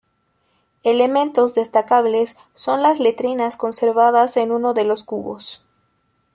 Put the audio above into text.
Elementos destacables son las letrinas conservadas en uno de los cubos.